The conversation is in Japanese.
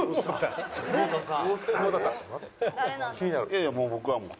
いやいや僕はもう。